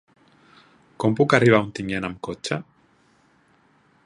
Com puc arribar a Ontinyent amb cotxe?